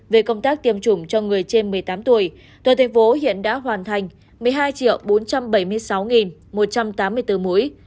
về công tác tiêm chủng cho người trên một mươi tám tuổi toàn thành phố hiện đã hoàn thành một mươi hai bốn trăm bảy mươi sáu một trăm tám mươi bốn mũi